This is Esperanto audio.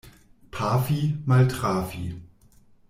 Pafi — maltrafi.